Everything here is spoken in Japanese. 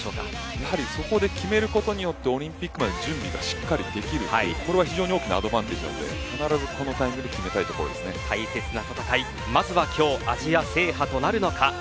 やっぱりそこで決めることによってオリンピックまでの準備がしっかりできるというこれは非常に大きなアドバンテージなのでしっかりとこのタイミングで大切な戦い、まずはここアジア制覇となるのか。